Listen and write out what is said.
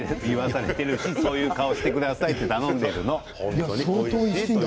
そういう顔してくださいって頼んでいるの。